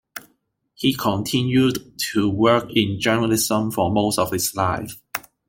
He continued to work in journalism for most of his life.